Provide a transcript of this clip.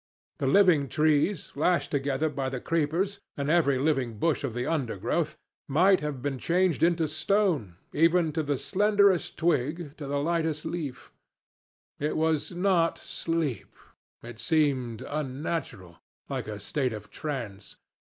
The living trees, lashed together by the creepers and every living bush of the undergrowth, might have been changed into stone, even to the slenderest twig, to the lightest leaf. It was not sleep it seemed unnatural, like a state of trance.